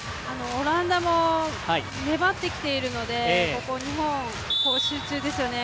オランダも粘ってきているのでここ日本、集中ですよね。